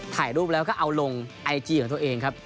ถ่ายรูปแล้วก็เอาลงไอจีของตัวเองครับ